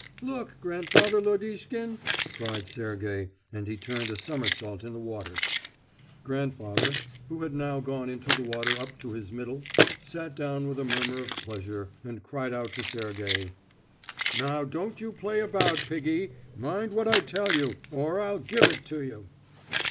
"Look, grandfather Lodishkin!" cried Sergey, and he turned a somersault in the water. Grandfather, who had now gone into the water up to his middle, sat down with a murmur of pleasure, and cried out to Sergey: "Now, don't you play about, piggy. Mind what I tell you or I'll give it you."